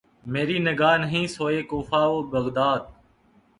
مری نگاہ نہیں سوئے کوفہ و بغداد